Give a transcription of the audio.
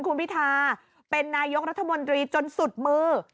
คุณพิธาเป็นนายกรัฐมนตรีจนสุดมือ